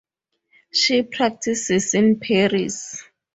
She practices in Paris.